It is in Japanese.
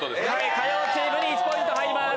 火曜チームに１ポイント入ります。